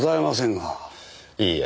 いいえ。